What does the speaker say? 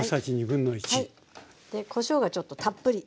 こしょうがちょっとたっぷり。